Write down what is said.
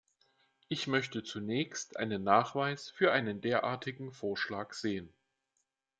Ich möchte zunächst einen Nachweis für einen derartigen Vorschlag sehen.